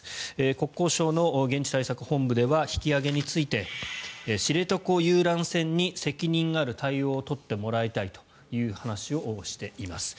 国交省の現地対策本部では引き揚げについて知床遊覧船に責任ある対応を取ってもらいたいという話をしています。